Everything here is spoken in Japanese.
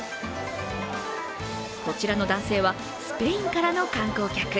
こちらの男性は、スペインからの観光客。